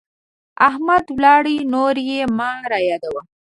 احمد ولاړ، نور يې مه يادوه.